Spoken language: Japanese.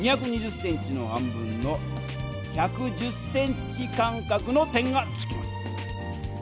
２２０ｃｍの半分の１１０ｃｍ間かくの点がつきます。